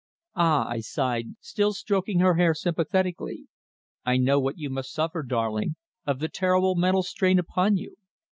"Ah!" I sighed, still stroking her hair sympathetically, "I know what you must suffer, darling of the terrible mental strain upon you.